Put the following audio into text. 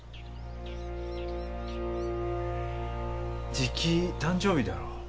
じき誕生日だろう？